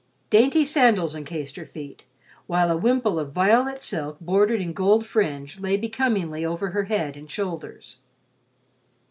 Dainty sandals encased her feet, while a wimple of violet silk bordered in gold fringe, lay becomingly over her head and shoulders.